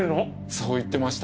そう言ってました。